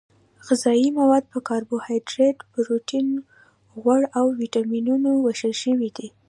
غذايي مواد په کاربوهایدریت پروټین غوړ او ویټامینونو ویشل شوي دي